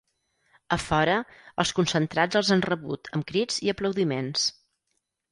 A fora, els concentrats els han rebuts amb crits i aplaudiments.